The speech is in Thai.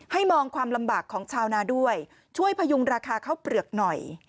มองความลำบากของชาวนาด้วยช่วยพยุงราคาข้าวเปลือกหน่อย